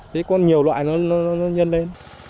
thế có nhiều loại nó nhân lên